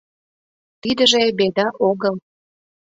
Тидыже беда огыл.